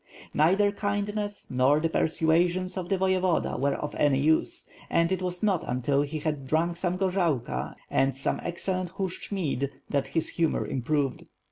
Neither kindness nor the persuasions of the Voyevoda were of any use, and it was not until he had drunk some gorzalka and some excellent Hushch mead, that his humor improved.